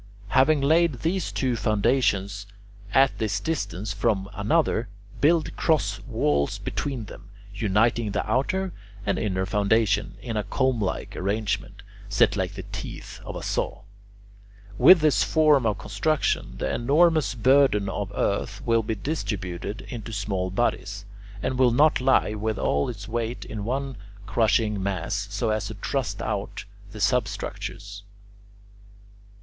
Having laid these two foundations at this distance from one another, build cross walls between them, uniting the outer and inner foundation, in a comb like arrangement, set like the teeth of a saw. With this form of construction, the enormous burden of earth will be distributed into small bodies, and will not lie with all its weight in one crushing mass so as to thrust out the substructures.